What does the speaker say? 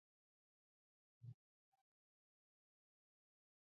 د پښتنو په کلتور کې د جامو رنګونه مانا لري.